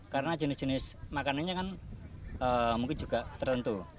karena jenis jenis makanannya kan mungkin juga tertentu